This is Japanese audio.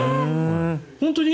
本当に？